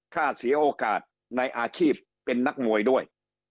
ค่าเสียโอกาสในอาชีพเป็นนักมวยด้วย